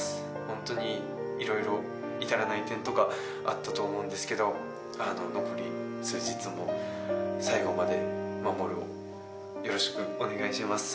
ホントにいろいろ至らない点とかあったと思うんですけど残り数日も最後まで守をよろしくお願いします。